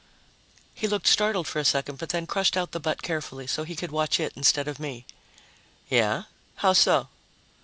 He looked startled for a second, but then crushed out the butt carefully so he could watch it instead of me. "Yeah? How so?"